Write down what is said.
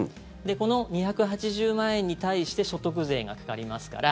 この２８０万円に対して所得税がかかりますから。